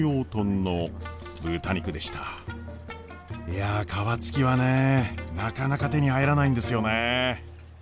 いや皮付きはねなかなか手に入らないんですよね。